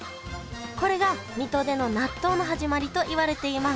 これが水戸での納豆の始まりといわれています